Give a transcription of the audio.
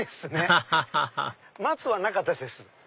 アハハハ松はなかったです。